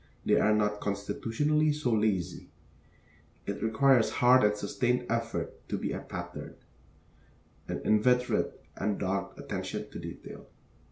They are not constitutionally so lazy. It requires hard and sustained effort to be a pattern, an inveterate and dogged attention to detail.